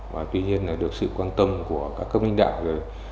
và tuy nhiên là được sự quan tâm của các cấp lãnh đạo